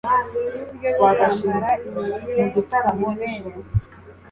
nuburyo bwo kwambara Imirire iminywere